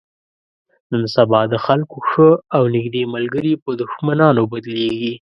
نن سبا د خلکو ښه او نیږدې ملګري په دښمنانو بدلېږي.